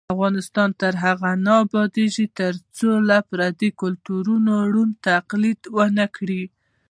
افغانستان تر هغو نه ابادیږي، ترڅو له پردیو کلتورونو ړوند تقلید ونکړو.